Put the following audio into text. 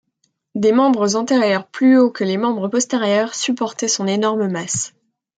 Des membres antérieurs plus hauts que les membres postérieurs supportaient son énorme masse.